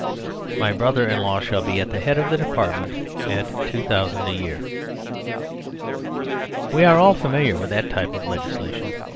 My brother in law shall be at the head of the Department at ,2000 a year." We are all familiar with that type of legislation.